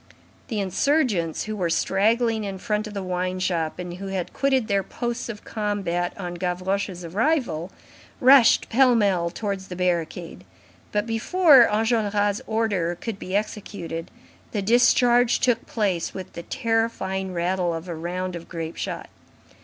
The insurgents who were straggling in front of the wine shop, and who had quitted their posts of combat on Gavroche's arrival, rushed pell mell towards the barricade; but before Enjolras' order could be executed, the discharge took place with the terrifying rattle of a round of grape shot.